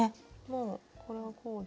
これはこうだから。